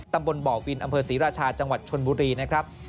ตำบลบ่อวินอำเภอศรีราชาจังหวัดชนบุรีนะครับ